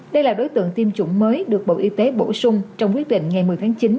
đây là đối tượng tiêm chủng mới được bộ y tế bổ sung trong quyết định ngày một mươi tháng chín